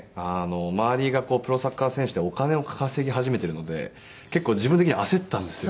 周りがプロサッカー選手でお金を稼ぎ始めてるので結構自分的には焦ったんですよ。